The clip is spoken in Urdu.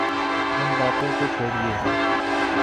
ان باتوں کو چھوڑئیے۔